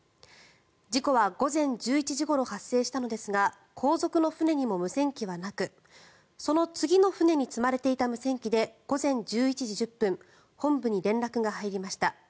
事故は午前１１時ごろ発生したのですが後続の船にも無線機はなくその次の船に積まれていた無線機で午前１１時１０分本部に連絡が入りました。